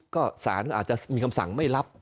ก็สารอาจจะมีคำสั่งไม่รับ